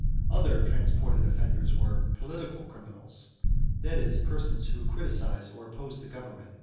Other transported offenders were "political criminals"; that is, persons who criticized or opposed the government.